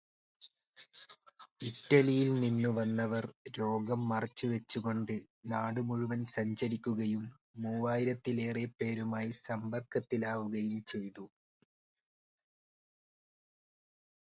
ഇറ്റലിയിൽ നിന്നു വന്നവർ രോഗം മറച്ചു വെച്ചു കൊണ്ട് നാട് മുഴുവൻ സഞ്ചരിക്കുകയും മൂവായിരത്തിലേറെപ്പേരുമായി സമ്പർക്കത്തിലാവുകയും ചെയ്തു.